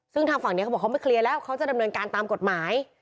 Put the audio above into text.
ซึ่งทางฝั่งนี้เขาบอกเขาไม่เคลียร์แล้วเขาจะดำเนินการตามกฎหมาย